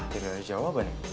gak ada jawabannya